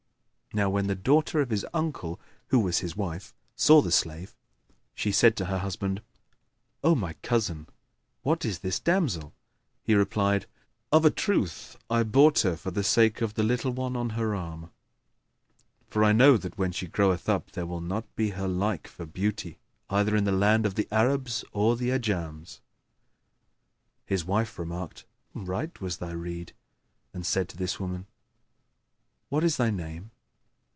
Now when the daughter of his uncle who was his wife saw the slave, she said to her husband, "O my cousin, what is this damsel?" He replied, "Of a truth, I bought her for the sake of the little one on her arm; for know that, when she groweth up, there will not be her like for beauty, either in the land of the Arabs or the Ajams." His wife remarked, "Right was thy rede", and said to the woman "What is thy name?"